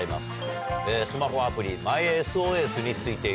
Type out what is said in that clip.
スマホアプリ。